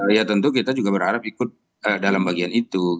ya tentu kita juga berharap ikut dalam bagian itu